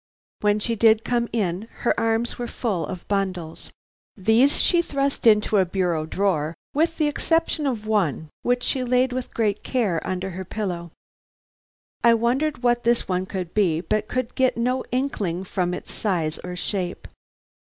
When she did come in, her arms were full of bundles. These she thrust into a bureau drawer, with the exception of one, which she laid with great care under her pillow. I wondered what this one could be, but could get no inkling from its size or shape.